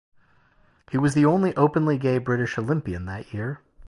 He was the only openly gay British Olympian that year.